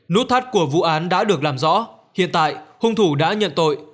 nút thắt của vụ án đã được làm rõ hiện tại hung thủ đã nhận tội